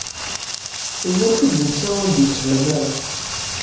Lmufid netta ur d-yettban ara.